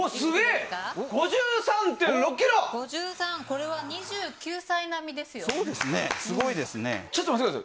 これは２９歳並みですね。